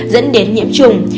dẫn đến nhiễm trùng